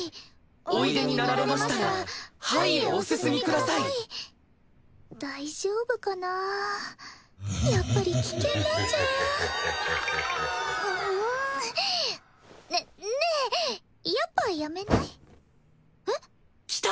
おいでになられましたら「はい」へお進みください大丈夫かなやっぱり危険なんじゃねねえやっぱやめない？えっ？きた！